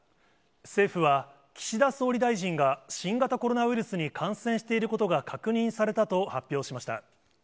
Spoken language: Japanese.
政府は、岸田総理大臣が新型コロナウイルスに感染していることが確認されたと発表しました。